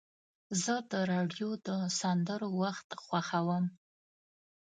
زه د راډیو د سندرو وخت خوښوم.